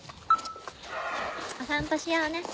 お散歩しようね。